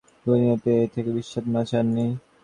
দুনিয়াতে এর থেকে বিষাক্ত মাছ আর নেই।